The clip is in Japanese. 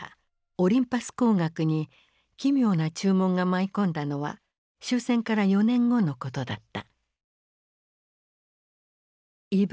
オリンパス光学に奇妙な注文が舞い込んだのは終戦から４年後のことだった。